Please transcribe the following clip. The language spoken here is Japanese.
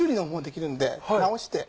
直して。